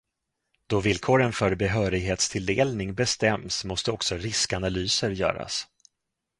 Då villkoren för behörighetstilldelning bestäms måste också riskanalyser göras.